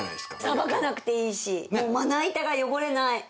さばかなくていいしまな板が汚れない。